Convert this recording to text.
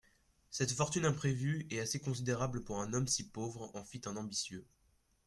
Cette fortune imprévue et assez considérable pour un homme si pauvre en fit un ambitieux.